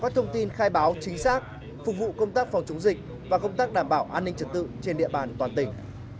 thông tin khai báo chính xác phục vụ công tác phòng chống dịch và công tác đảm bảo an ninh trật tự trên địa bàn toàn tỉnh